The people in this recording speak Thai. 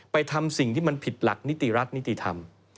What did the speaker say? ทำสิ่งที่มันผิดหลักนิติรัฐนิติธรรม